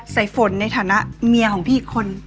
สายฝนในฐานะเมียของพี่อีกคน